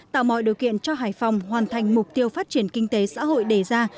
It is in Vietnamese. tạo mọi điều kiện cho hải phòng hoàn thành mục tiêu phát triển kinh tế xã hội đề ra